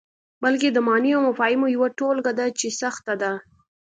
بلکې د معني او مفاهیمو یوه ټولګه ده چې سخته ده.